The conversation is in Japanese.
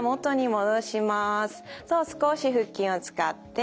そう少し腹筋を使って。